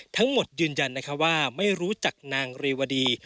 ยืนยันนะคะว่าไม่รู้จักนางเรวดี